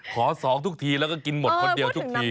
สองทุกทีแล้วก็กินหมดคนเดียวทุกที